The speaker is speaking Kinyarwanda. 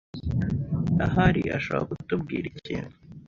Ahari ashobora kutubwira ikintu.